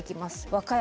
和歌山。